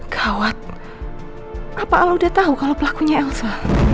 gawat apa al udah tau kalau pelakunya elsa